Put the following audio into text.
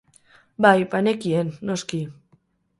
Bai, banekien, noski.